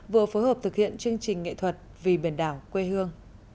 vừa phối hợp thực hiện chương trình nghệ thuật vì biển đảo quê hương